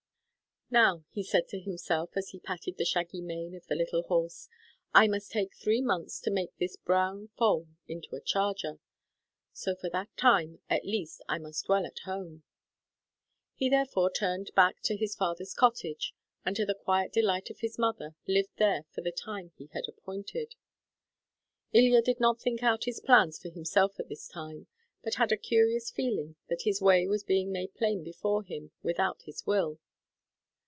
"Now," he said to himself, as he patted the shaggy mane of the little horse, "I must take three months to make this brown foal into a charger; so for that time, at least, I must dwell at home." He therefore turned back to his father's cottage, and, to the quiet delight of his mother, lived there for the time he had appointed. Ilya did not think out his plans for himself at this time, but had a curious feeling that his way was being made plain before him without his will.